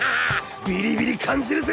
ビリビリ感じるぜ！